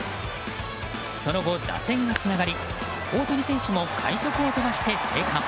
その後、打線がつながり大谷選手も快足を飛ばして生還。